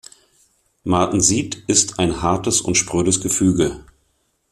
Martensit ist ein hartes und sprödes Gefüge.